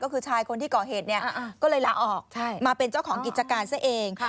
ก็คือชายคนที่ก่อเหตุเนี่ยก็เลยลาออกมาเป็นเจ้าของกิจการซะเอง